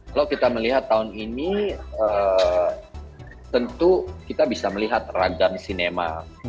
kalau kita melihat tahun ini tentu kita bisa melihat ragam sinema